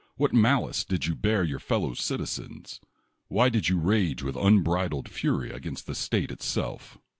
What malice did you bear your fel low citizens? Why did you rage with unbridled fury against the state itself?"